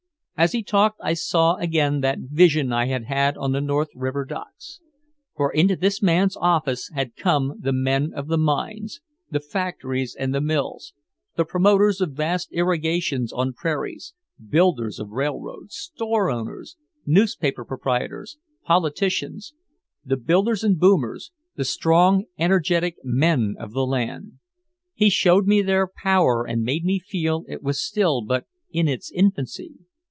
As he talked I saw again that vision I had had on the North River docks. For into this man's office had come the men of the mines, the factories and the mills, the promoters of vast irrigations on prairies, builders of railroads, real estate plungers, street traction promoters, department store owners, newspaper proprietors, politicians the builders and boomers, the strong energetic men of the land. He showed me their power and made me feel it was still but in its infancy.